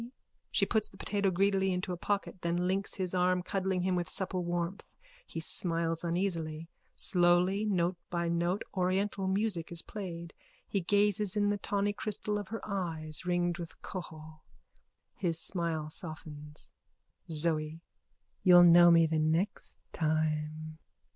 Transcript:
_(She puts the potato greedily into a pocket then links his arm, cuddling him with supple warmth. He smiles uneasily. Slowly, note by note, oriental music is played. He gazes in the tawny crystal of her eyes, ringed with kohol. His smile softens.)_ ZOE: You'll know me the next time.